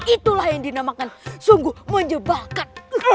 itulah yang dinamakan sungguh menyebahkan